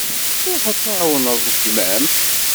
Ruḥ ad tεawneḍ gma-m.